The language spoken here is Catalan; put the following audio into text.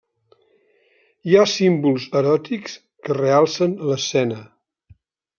Hi ha símbols eròtics que realcen l'escena.